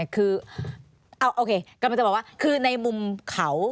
กำลังจะบอกว่าในหมุมเขา